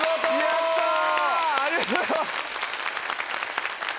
やったありがとうございます。